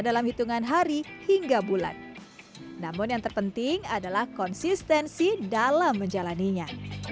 dalam hitungan hari hingga bulan namun yang terpenting adalah konsistensi dalam menjalannya